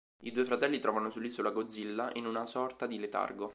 I due fratelli trovano sull'isola Godzilla in una sorta di letargo.